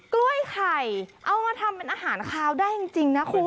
กล้วยไข่เอามาทำเป็นอาหารคาวได้จริงนะคุณ